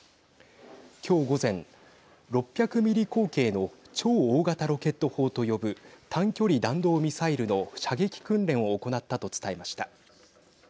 今日午前、６００ミリ口径の超大型ロケット砲と呼ぶ短距離弾道ミサイルの射撃訓練を行ったと伝えました。